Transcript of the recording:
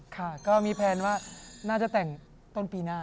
มีเปลี่ยนว่าน่าจะแต่งต้นปีหน้า